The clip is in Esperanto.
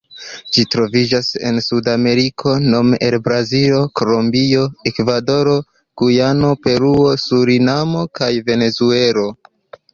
Ĝi troviĝas en Sudameriko nome en Brazilo, Kolombio, Ekvadoro, Gujano, Peruo, Surinamo kaj Venezuelo.